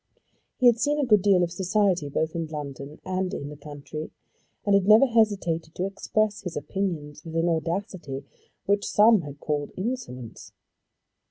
He had seen a good deal of society both in London and in the country, and had never hesitated to express his opinions with an audacity which some had called insolence.